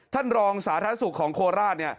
ท่านรองสาธารณสุขของโคราชเนี่ย